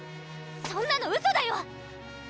そんなのウソだよ！